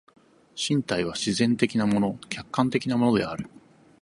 身体は自然的なもの、客観的なものである。